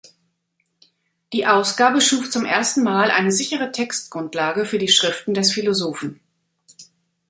Die Ausgabe schuf zum ersten Mal eine sichere Textgrundlage für die Schriften des Philosophen.